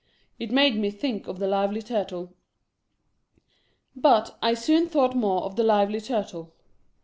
It made me think of the Lively Turtle. But I soon thought more of the Lively Turtle.